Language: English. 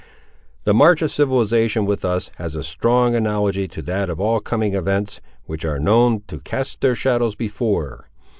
The march of civilisation with us, has a strong analogy to that of all coming events, which are known "to cast their shadows before."